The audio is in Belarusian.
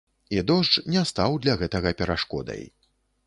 І дождж не стаў для гэтага перашкодай.